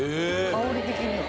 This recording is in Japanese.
香り的には。